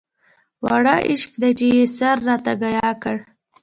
واړه عشق دی چې يې سر راته ګياه کړ